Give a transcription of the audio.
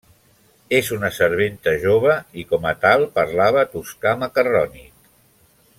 És una serventa jove i com a tal parlava toscà macarrònic.